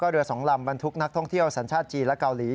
เรือ๒ลำบรรทุกนักท่องเที่ยวสัญชาติจีนและเกาหลี